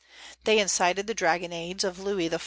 They incited the dragonnades of Louis XIV.